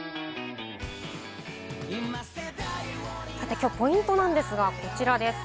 今日ポイントなんですが、こちらです。